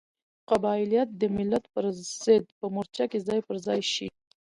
قبایلت د ملت پرضد په مورچه کې ځای پر ځای شي.